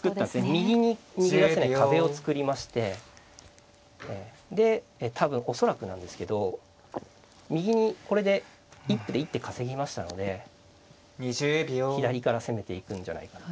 右に逃げ出せない壁を作りましてで多分恐らくなんですけど右にこれで一歩で一手稼ぎましたので左から攻めていくんじゃないかな。